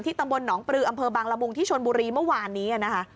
ตำบลหนองปลืออำเภอบางละมุงที่ชนบุรีเมื่อวานนี้นะคะ